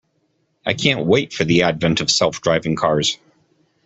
I can't wait for the advent of self driving cars.